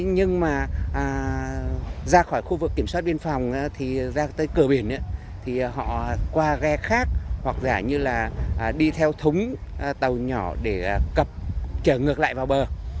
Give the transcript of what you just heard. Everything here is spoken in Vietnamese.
nhưng mà ra khỏi khu vực kiểm soát biên phòng thì ra tới cửa biển thì họ qua ghe khác hoặc giả như là đi theo thúng tàu nhỏ để cập trở ngược lại vào bờ